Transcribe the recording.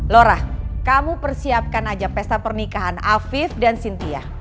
lorah kamu persiapkan aja pesta pernikahan afif dan cynthia